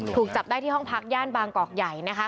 ถูกจับได้ที่ห้องพักย่านบางกอกใหญ่นะคะ